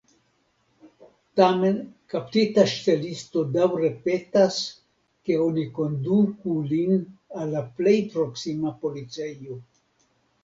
Tamen kaptita ŝtelisto daŭre petas, ke oni konduku lin al la plej proksima policejo.